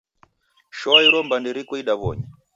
Shoa iro mbande riko idaw'onyi.